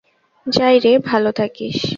যাই রে, ভালো থাকিস।